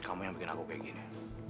kamu yang bikin aku kayak gini